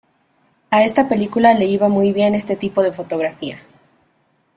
A esta película le iba muy bien este tipo de fotografía.